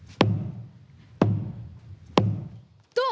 どう！？